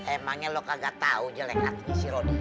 emangnya lo kagak tau jelek hati si rodia